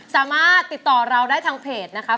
สามารถติดต่อเราได้ทางเพจนะคะ